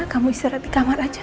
kamu istirahat di kamar aja